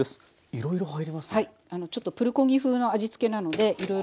いろいろ入りますね。